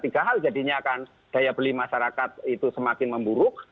tiga hal jadinya kan daya beli masyarakat itu semakin memburuk